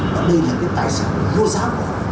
và đây là cái tài sản vô giá của họ